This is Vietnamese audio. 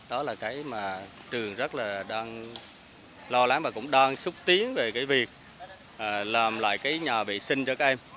đó là cái mà trường rất là lo lắng và cũng đang xúc tiến về cái việc làm lại cái nhà vệ sinh cho các em